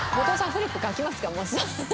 フリップ書きますか？